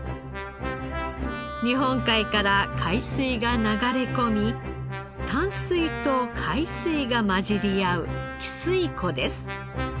日本海から海水が流れ込み淡水と海水が混じり合う汽水湖です。